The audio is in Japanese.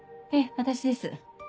私です。